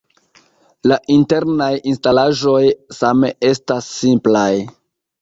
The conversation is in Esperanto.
La internaj instalaĵoj same estas simplaj.